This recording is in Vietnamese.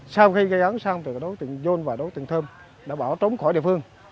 sau khi gây án sang từ đối tượng dôn và đối tượng thơm đã bỏ trốn khỏi địa phương